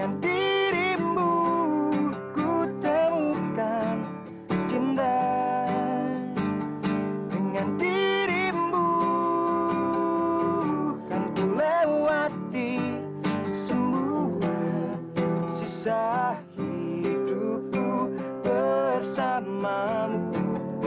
aku akan melewati semua sisa hidup bersamamu